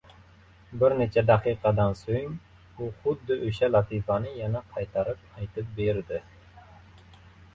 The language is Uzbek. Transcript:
Bir necha daqiqadan soʻng u xuddi oʻsha latifani yana qaytarib aytib berdi.